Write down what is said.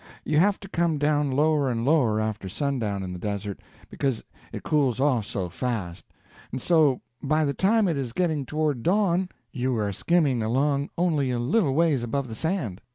You have to come down lower and lower after sundown in the desert, because it cools off so fast; and so, by the time it is getting toward dawn, you are skimming along only a little ways above the sand.